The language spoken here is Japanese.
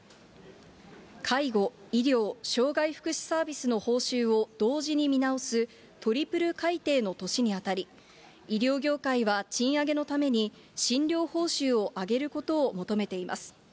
介護、医療、障害福祉サービスの報酬を同時に見直す、トリプル改定の年に当たり、医療業界は賃上げのために、診療報酬を上げることを求めています。